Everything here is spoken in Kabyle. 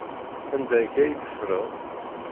Anda akka ay teffreḍ?